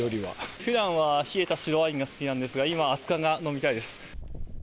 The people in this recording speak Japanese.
ふだんは冷えた白ワインが好きなんですが、今は熱かんが飲みたいです。